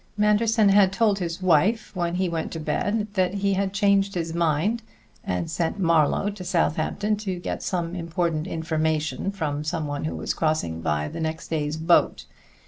Manderson had told his wife when he went to bed that he had changed his mind, and sent Marlowe to Southampton to get some important information from someone who was crossing by the next day's boat.